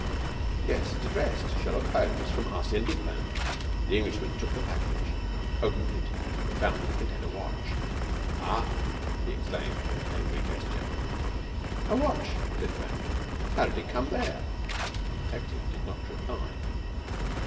"Yes, it is addressed: Sherlock Holmes, from Arsène Lupin." The Englishman took the package, opened it, and found that it contained a watch. "Ah!" he exclaimed, with an angry gesture. "A watch," said Devanne. "How did it come there?" The detective did not reply.